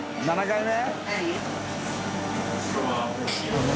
７回目？